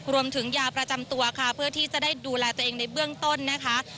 รวมถึงยาประจำตัวค่ะเพื่อที่จะได้ดูแลตัวเองในเบื้องต้นนะคะ